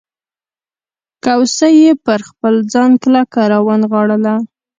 کوسۍ یې پر خپل ځان کلکه راونغاړله.